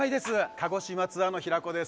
鹿児島ツアーの平子です。